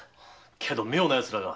けど妙な奴らが。